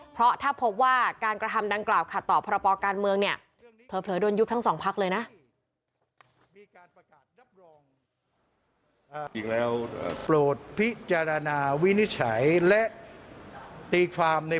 เพราะถ้าพบว่าการกระทำดังกล่าวขาดต่อประปอการเมืองเนี่ย